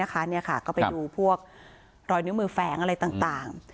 ก็ไปดูพวกรอยนิ้วมือแฝงอะไรต่าง